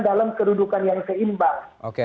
dalam kedudukan yang seimbang